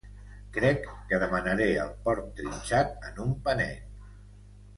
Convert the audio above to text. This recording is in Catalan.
Crec que demanaré el porc trinxat en un panet.